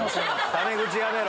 タメ口やめろ！